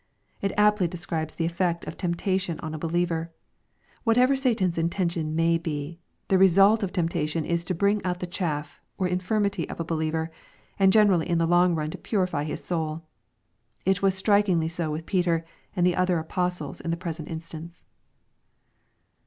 It aptly describes the effect of temptation on a behever. Whatever Satan's intention may be, the result of temptation is to bring out the chaff, or infirmity of a believer, and generally in the long run to purify his souL It w&s strikingly so with Peter and the other apostles in the present instance.